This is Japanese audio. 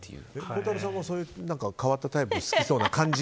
孝太郎さんもそういう変わったタイプが好きそうな感じ。